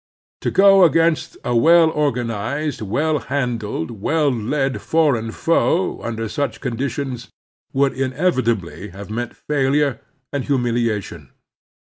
To go against a well organized, well handled, well led foreign foe tmder such conditions would inev itably have meant failure and humiliation.